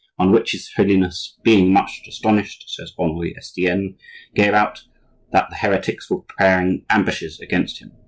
"On which his holiness, being much astonished" (says Henri Estienne), "gave out that the heretics were preparing ambushes against him."